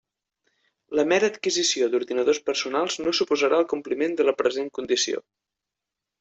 La mera adquisició d'ordinadors personals no suposarà el compliment de la present condició.